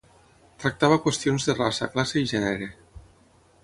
Tractava qüestions de raça, classe i gènere.